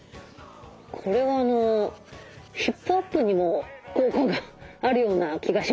これはヒップアップにも効果があるような気がします。